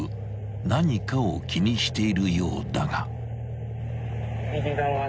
［何かを気にしているようだが］